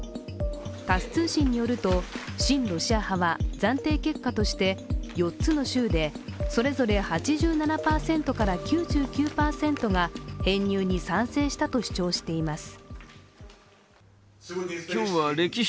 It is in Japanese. タス通信によると親ロシア派は暫定結果として、４つの州でそれぞれ８７％から９９％が編入に賛成したと主張しています。